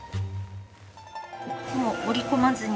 もう折り込まずに？